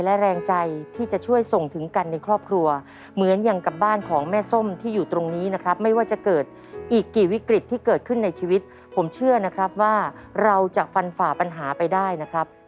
และแรงใจที่จะช่วยส่งถึงกันในครอบครัวเหมือนอย่างกับบ้านของแม่ส้มที่อยู่ตรงนี้นะครับไม่ว่าจะเกิดอีกกี่วิกฤตที่เกิดขึ้นในชีวิตผมเชื่อนะครับว่าเราจะฟันฝ่าปัญหาไปได้นะครับ